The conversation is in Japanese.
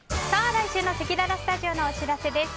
来週のせきららスタジオのお知らせです。